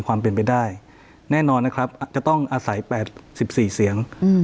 ความเป็นไปได้แน่นอนนะครับจะต้องอาศัยแปดสิบสี่เสียงอืม